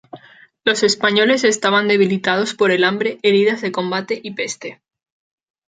Los españoles estaban debilitados por el hambre, heridas de combate y peste.